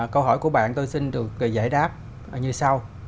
câu hỏi của bạn tôi xin được giải đáp như sau